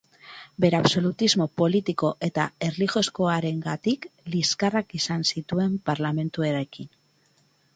Bere absolutismo politiko eta erlijiozkoarengatik liskarrak izan zituen Parlamentuarekin.